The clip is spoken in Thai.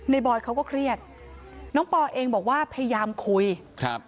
บอยเขาก็เครียดน้องปอเองบอกว่าพยายามคุยครับ